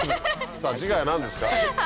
さぁ次回は何ですか？